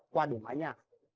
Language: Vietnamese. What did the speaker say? qua đủ mái nhà